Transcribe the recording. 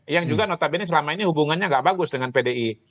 yang juga notabene selama ini hubungannya gak bagus dengan pdi